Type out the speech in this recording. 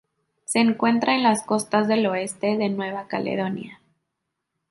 Se encuentra en las costas del oeste de Nueva Caledonia.